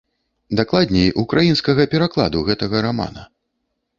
Дакладней, украінскага перакладу гэтага рамана.